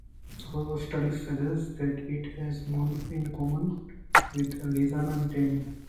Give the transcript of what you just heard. However, studies suggest that it has more in common with Lishana Deni.